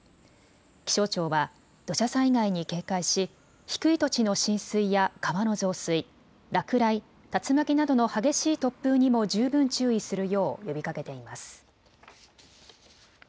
気象庁は土砂災害に警戒し低い土地の浸水や川の増水、落雷、竜巻などの激しい突風にも十分注意するよう呼びかけています。